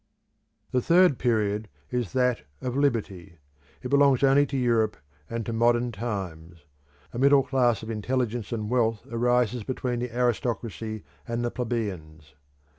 The third period is that of Liberty: it belongs only to Europe and to modern times. A middle class of intelligence and wealth arises between the aristocracy and the plebeians.